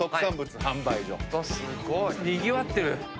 にぎわってる。